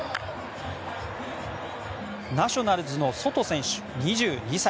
ナショナルズのソト選手、２２歳。